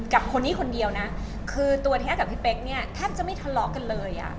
กับคนนี้คนเดียวนะคือตัวแท้กับพี่เป๊กเนี่ยแทบจะไม่ทะเลาะกันเลยอ่ะ